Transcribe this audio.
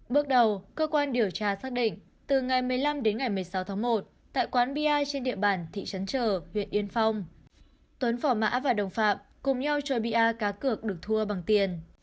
bước đầu cơ quan điều tra xác định từ ngày một mươi năm đến ngày một mươi sáu tháng một tại quán bia trên địa bàn thị trấn trở huyện yên phong tuấn phỏ mã và đồng phạm cùng nhau chuẩn bị a cá cược được thua bằng tiền